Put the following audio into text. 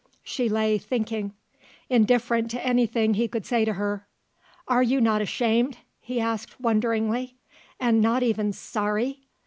She lay, thinking; indifferent to anything he could say to her. "Are you not ashamed?" he asked wonderingly. "And not even sorry?"